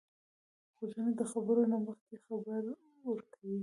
غوږونه د خبرو نه مخکې خبر ورکوي